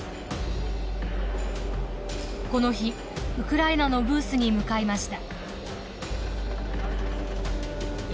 この日ウクライナのブースに向かいました。